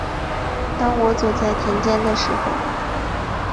当我走在田间的时候